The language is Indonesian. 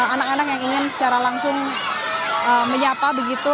anak anak yang ingin secara langsung menyapa begitu